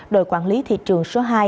đội quản lý thị trường số hai